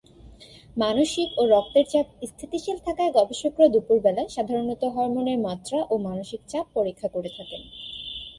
মানসিক ও রক্তের চাপ স্থিতিশীল থাকায় গবেষকরা দুপুর বেলা সাধারণত হরমোনের মাত্রা ও মানসিক চাপ পরীক্ষা করে থাকেন।